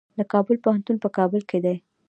د کابل پوهنتون په کابل کې دی